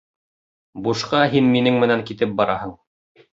Бушҡа һин минең менән китеп бараһың.